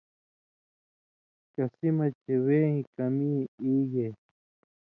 کسی مہ چے وے ایں کمی ای گے